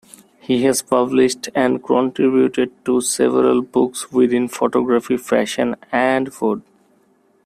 He has published and contributed to several books within photography, fashion, and food.